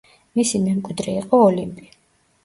მისი მემკვიდრე იყო ოლიმპი.